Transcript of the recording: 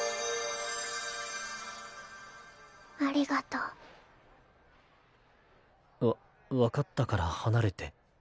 ありがとう。わ分かったから離れて。